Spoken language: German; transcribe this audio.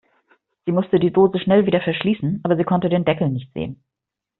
Sie musste die Dose schnell wieder verschließen, aber sie konnte den Deckel nicht sehen.